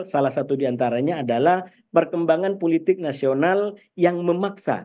salah satu diantaranya adalah perkembangan politik nasional yang memaksa